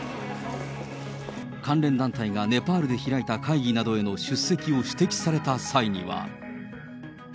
関連団体がネパールで開いた会議などへの出席を指摘された際には。